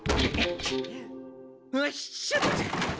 よいしょっと。